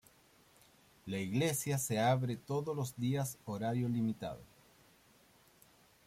La iglesia se abre todos los días horario limitado.